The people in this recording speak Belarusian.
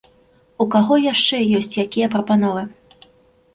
У каго яшчэ ёсць якія прапановы?